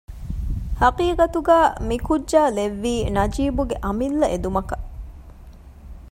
ހަޤީޤަތުގައި މިކުއްޖާ ލެއްވީ ނަޖީބުގެ އަމިއްލަ އެދުމަކަށް